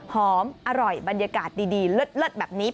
หอมอร่อยบรรยากาศดีเลิศแบบนี้